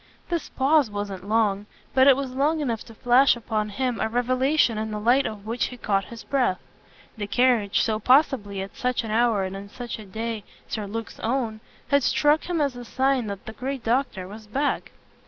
This pause wasn't long, but it was long enough to flash upon him a revelation in the light of which he caught his breath. The carriage, so possibly at such an hour and on such a day Sir Luke's own, had struck him as a sign that the great doctor was back.